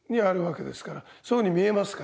そういうふうに見えますから。